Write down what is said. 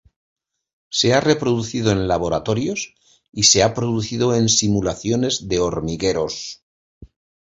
Se ha reproducido en laboratorios y se ha producido en simulaciones de hormigueros.